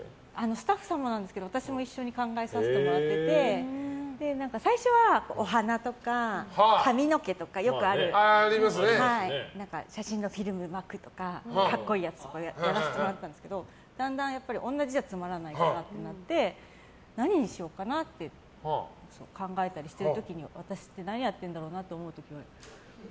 スタッフさんもなんですけど私も一緒に考えさせてもらってて最初はお花とか髪の毛とか写真のフィルムを巻くとか格好いいやつをやらせてもらってたんですけどだんだん同じじゃつまらないからってなって何にしようかなって考えたりしてる時に私って何やってるんだろうなって思うことが。